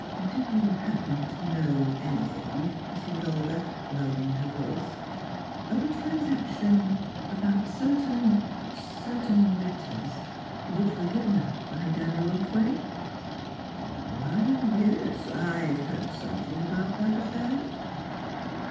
"Do you happen to know anything," pursued Olga, lowering her voice, "of a transaction about certain certain letters, which were given up by Daniel Otway?" "Why yes. I've heard something about that affair."